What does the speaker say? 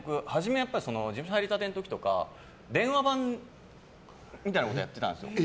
事務所入りたての時は電話番みたいなことをやってたんですよ。